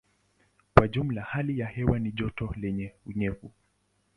Kwa jumla hali ya hewa ni joto lenye unyevu.